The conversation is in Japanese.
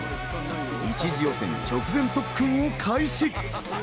一次予選直前特訓を開始。